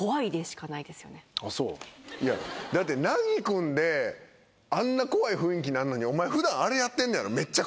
いやだって梛君であんな怖い雰囲気になるのにお前があれやってくんのやろ？